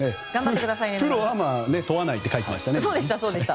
プロアマ問わないって書いてありましたね。